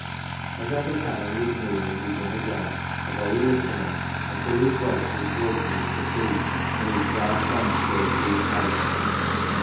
1 " And then the Canon would kneel and begin again a very litany, until his voice was broken with fatigue and his dry tongue clove to his palate.